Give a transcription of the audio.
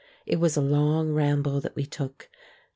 It was a long ramble that we took.